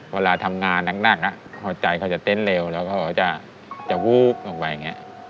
เวลาทำงานหนักอ่ะเขาใจเขาจะเต้นเร็วแล้วเขาก็จะจะวู๊บออกไปอย่างเงี้ย